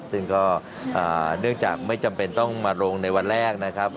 ซึ่งก็เนื่องจากไม่จำเป็นต้องมาลงในวันแรกนะครับ